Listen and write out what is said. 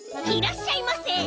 いらっしゃいませ。